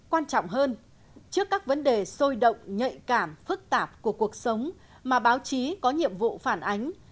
quan trọng hơn trước các vấn đề sôi động nhạy cảm phức tạp của cuộc sống mà báo chí có nhiệm vụ phản ánh